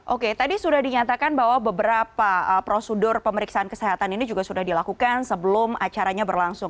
oke tadi sudah dinyatakan bahwa beberapa prosedur pemeriksaan kesehatan ini juga sudah dilakukan sebelum acaranya berlangsung